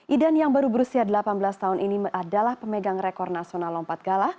idan yang baru berusia delapan belas tahun ini adalah pemegang rekor nasional lompat gala